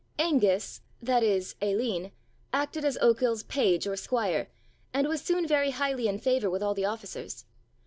Angus, that is Aline, acted as Ochil's page or squire and was soon very highly in favour with all the officers.